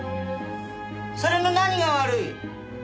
それの何が悪い！